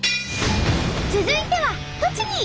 続いては栃木！